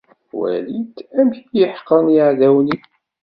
Wali-d amek i iyi-ḥeqren yiεdawen-iw.